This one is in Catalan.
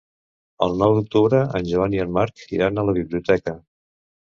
El nou d'octubre en Joan i en Marc iran a la biblioteca.